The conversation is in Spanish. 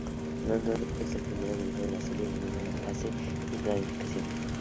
Lockdown es el primer videojuego de la serie que elimina la fase de planificación.